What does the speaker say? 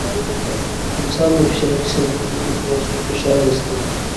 انسان د فشاري سینسرونو په واسطه فشار حس کوي.